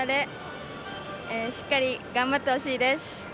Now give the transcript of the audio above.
後半に強いので、しっかり頑張ってほしいです。